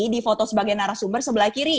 di foto sebagai narasumber sebelah kiri